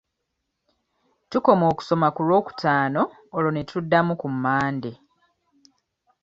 Tukoma okusoma ku lwokutaano olwo ne tuddamu ku Mande.